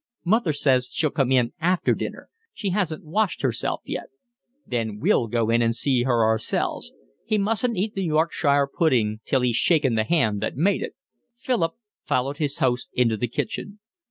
"Mother says she'll come in after dinner. She hasn't washed herself yet." "Then we'll go in and see her ourselves. He mustn't eat the Yorkshire pudding till he's shaken the hand that made it." Philip followed his host into the kitchen.